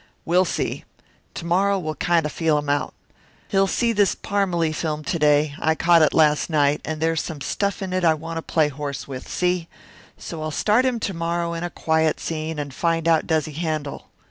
"We'll see. To morrow we'll kind of feel him out. He'll see this Parmalee film to day I caught it last night and there's some stuff in it I want to play horse with, see? So I'll start him to morrow in a quiet scene, and find out does he handle.